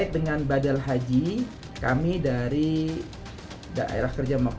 berkait dengan badal haji yang dihubungkan dengan jemaah haji indonesia dan rumah sakit di arab saudi